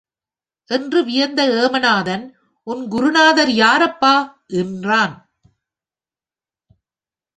என்று வியந்த ஏமநாதன், உன் குருநாதர் யார் அப்பா? என்றான்.